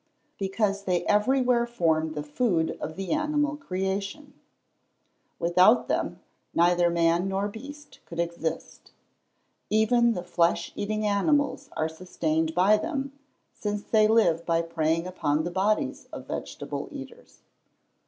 _ Because they everywhere form the food of the animal creation. Without them, neither man nor beast could exist. Even the flesh eating animals are sustained by them, since they live by preying upon the bodies of vegetable eaters.